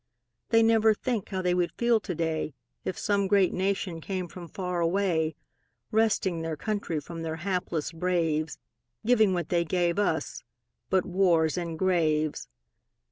They never think how they would feel to day, If some great nation came from far away, Wresting their country from their hapless braves, Giving what they gave us but wars and graves.